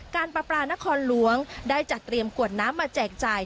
การประปรานครลวงศ์ได้จัดเตรียมขวดน้ำมาแจกจ่าย